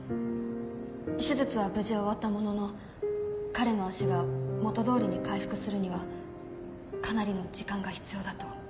手術は無事終わったものの彼の足が元通りに回復するにはかなりの時間が必要だと。